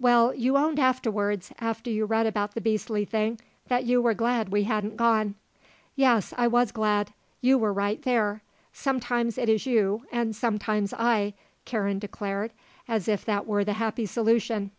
"Well, you owned afterwards, after you read about the beastly thing, that you were glad we hadn't gone." "Yes; I was glad. You were right there. Sometimes it is you and sometimes I," Karen declared, as if that were the happy solution.